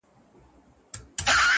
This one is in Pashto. ما نیولې نن ده بس روژه د محبت په نوم,